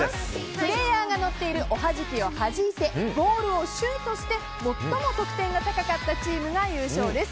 プレーヤーが乗っているおはじきを弾いてボールをシュートして最も得点が高かったチームが優勝です。